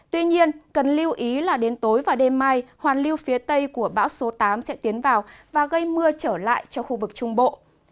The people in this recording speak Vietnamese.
tuy nhiên cần lưu ý là đến tối và đêm mai hoàn lưu phía tây của bão số tám sẽ tiến vào và gây mưa trở lại cho khu vực trung bộ